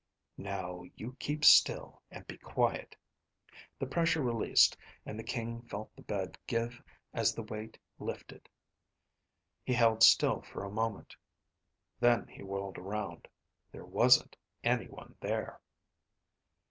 "Now you keep still and be quiet." The pressure released and the King felt the bed give as the weight lifted. He held still for a moment. Then he whirled around. There wasn't anyone there.